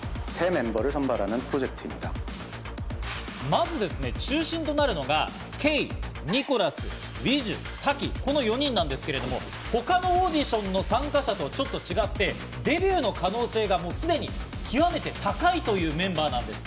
まず中心となるのがＫ、ＮＩＣＨＯＬＡＳ、ＥＪ、ＴＡＫＩ、この４人なんですけれども、他のオーディションの参加者とちょっと違って、デビューの可能性がもうすでに極めて高いというメンバーなんです。